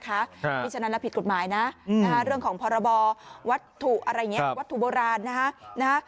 เพราะฉะนั้นแล้วผิดกฎหมายนะเรื่องของพรบวัตถุอะไรอย่างนี้วัตถุโบราณนะฮะ